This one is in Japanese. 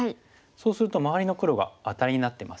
そうすると周りの黒がアタリになってます。